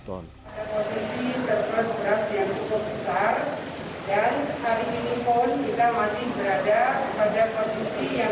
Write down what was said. dan hari ini pun kita masih berada pada posisi yang siap panen raya